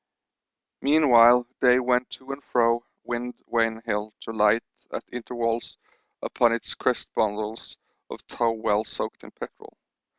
Meanwhile Day went to and fro Wind Vane Hill to light at intervals upon its crest bundles of tow well soaked in petrol.